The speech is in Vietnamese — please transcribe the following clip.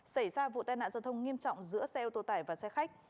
xảy ra vụ tai nạn giao thông nghiêm trọng giữa xe ô tô tải và xe khách